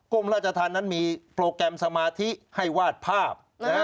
กรมราชธรรมนั้นมีโปรแกรมสมาธิให้วาดภาพ